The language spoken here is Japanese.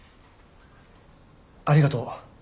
ありがとう。